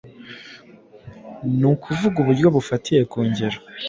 Ni ukuvuga uburyo bufatiye ku ngero